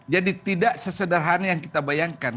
tidak sesederhana yang kita bayangkan